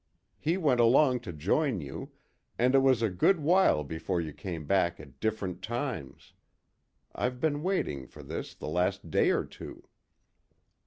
He went along to join you, and it was a good while before you came back at different times. I've been waiting for this the last day or two."